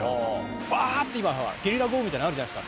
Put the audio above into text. バって今ゲリラ豪雨みたいのあるじゃないですか。